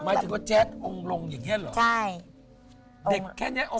หมายถึงว่าแจ๊กองรงอย่างเนี่ยหรอ